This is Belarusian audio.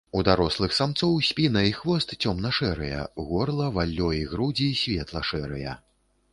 У дарослых самцоў спіна і хвост цёмна-шэрыя, горла, валлё і грудзі светла-шэрыя.